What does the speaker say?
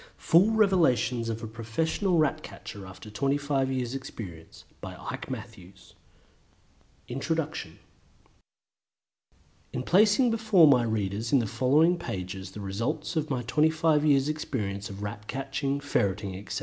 Full Revelations of a Professional Rat Catcher, after 25 Years' Experience by Ike Matthews. [Title page image: title.jpg] Introduction. In placing before my readers in the following pages the results of my twenty five years' experience of Rat catching, Ferreting, etc.